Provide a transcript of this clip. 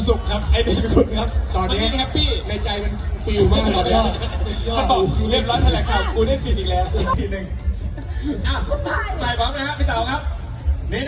มันก็ไม่แฮปปี้ในใจมันฟิวมากเลย